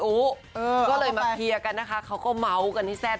เออเอาไปก็เลยมาเพียร์กันนะคะเขาก็เมาต์กันที่ซั้น